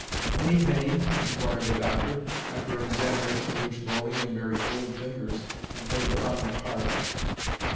"Any pain?" inquired the doctor, after an examination in which bony and very cold fingers had played a prominent part.